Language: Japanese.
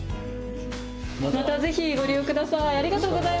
またぜひ、ご利用ください。